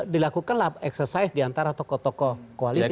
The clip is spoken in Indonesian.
dilakukanlah exercise diantara tokoh tokoh koalisi